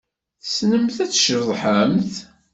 Tessnemt ad tceḍḥemt?